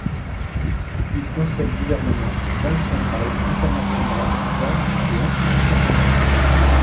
Il Conseille gouvernements, banques centrales, internationales, banques et institutions financières.